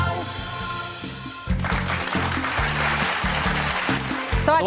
ฟูกัดสบัดข่าว